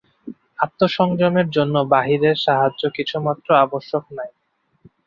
আত্মসংযমের জন্য বাহিরের সাহায্য কিছুমাত্র আবশ্যক নাই।